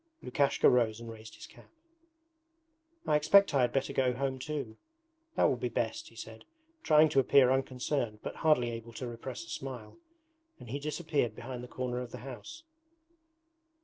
Lukashka rose and raised his cap. 'I expect I had better go home too, that will be best,' he said, trying to appear unconcerned but hardly able to repress a smile, and he disappeared behind the corner of the house.